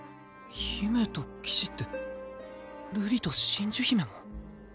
姫と騎士って瑠璃と真珠姫も？